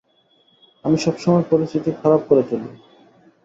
আমি সব সময় পরিস্থিতি খারাপ করে তুলি।